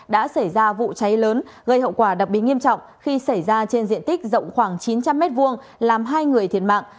đã xảy ra vụ cháy lớn gây hậu quả đặc biệt nghiêm trọng khi xảy ra trên diện tích rộng khoảng chín trăm linh m hai làm hai người thiệt mạng